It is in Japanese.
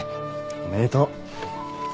おめでとう！